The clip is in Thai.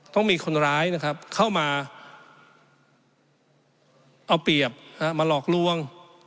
ต้องมีคนร้ายนะครับเข้ามาเอาเปรียบมาหลอกลวง